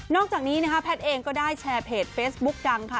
อกจากนี้นะคะแพทย์เองก็ได้แชร์เพจเฟซบุ๊กดังค่ะ